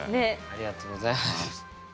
ありがとうございます。